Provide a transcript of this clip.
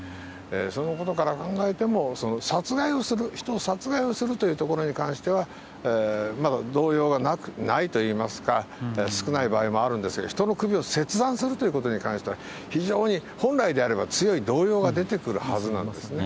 そのことから考えても、殺害をする、人を殺害するというところに関しては、まだ動揺がないといいますか、少ない場合もあるんですが、人の首を切断するということに関しては、非常に、本来であれば、強い動揺が出てくるはずなんですね。